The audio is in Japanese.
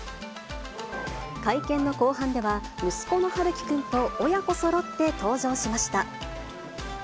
会見の後半では、息子の陽喜くんと親子そろって登場しました。